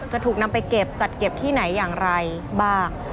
จะถูกนำไปเก็บจัดเก็บที่ไหนอย่างไรบ้าง